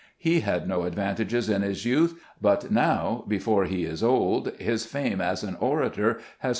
He had no advantages in his youth, but now, before he is old, his fame as an orator has